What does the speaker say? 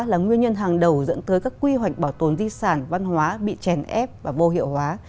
là nguyên nhân hàng đầu dẫn tới các quy hoạch bảo tồn di sản văn hóa bị chèn ép và vô hiệu hóa